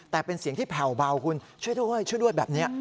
แต่เป็นเสียงที่แผ่วเบาคุณช่วยด้วยช่วยด้วยแบบนี้